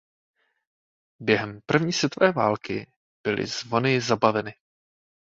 Během první světové války byly zvony zabaveny.